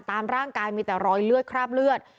ตามร่างกายมีแต่รอยเลือดคราบเลือด